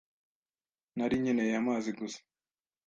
Nari nkeneye amazi gusa.